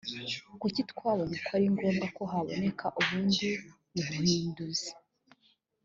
kuki twabonye ko ari ngombwa ko haboneka ubundi buhinduzi